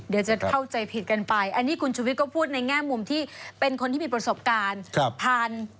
เดี๋ยวจะเข้าใจผิดกันไปอันนี้คุณชุวิตก็พูดในแง่มุมที่เป็นคนที่มีประสบการณ์ผ่าน